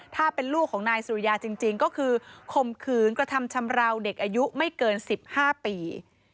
ถ้าเป็นลูกของนายสุริยาจริงก็คือข่มขืนกระทำชำราวเด็กอายุไม่เกิน๑๕ปี